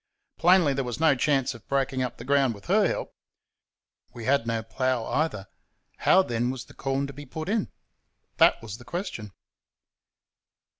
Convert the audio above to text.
Plainly, there was no chance of breaking up the ground with her help. We had no plough, either; how then was the corn to be put in? That was the question.